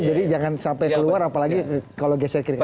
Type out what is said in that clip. jadi jangan sampai keluar apalagi kalau geser kiri kanan